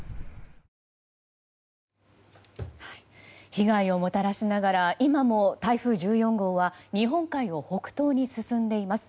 被害をもたらしながら今も台風１４号は日本海を北東に進んでいます。